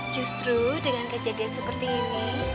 justru dengan kejadian seperti ini